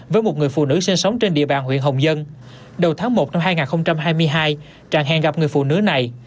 với một người phụ nữ sinh sống trên địa bàn huyện hồng dân đầu tháng một năm hai nghìn hai mươi hai trang hẹn gặp người phụ nữ này